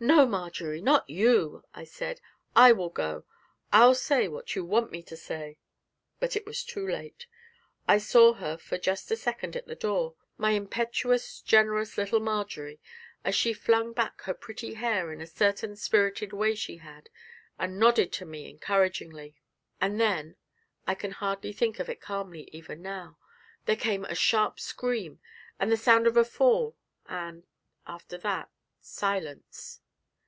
'No, Marjory, not you!' I said; 'I will go: I'll say what you want me to say!' But it was too late. I saw her for just a second at the door, my impetuous, generous little Marjory, as she flung back her pretty hair in a certain spirited way she had, and nodded to me encouragingly. And then I can hardly think of it calmly even now there came a sharp scream, and the sound of a fall, and, after that, silence.